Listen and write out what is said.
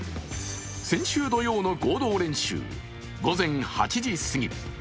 先週土曜の合同練習午前８時すぎ。